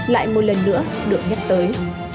lại một lần nữa được nhắc tới